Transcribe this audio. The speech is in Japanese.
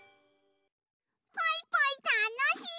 ポイポイたのしい！